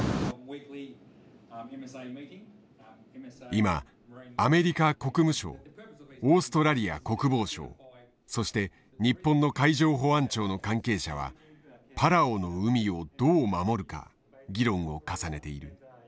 今アメリカ国務省オーストラリア国防省そして日本の海上保安庁の関係者はパラオの海をどう守るか議論を重ねている。